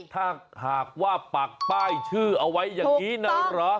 ถ้าหากว่าปักป้ายชื่อเอาไว้อย่างนี้นะเหรอ